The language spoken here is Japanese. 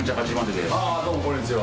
ですどうもこんにちは